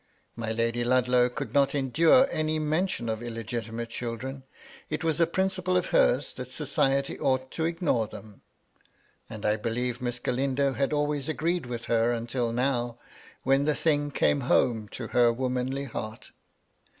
My Lady Ludlow could not endure any mention of illegitimate children. It was a prindple of hers that society ought to ignore them. And I believe Miss Galindo had always agreed with her until now, when the thing came home to her womanly heart.